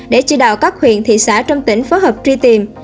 để chỉ đạo các huyện thị xã trong tỉnh phối hợp truy tìm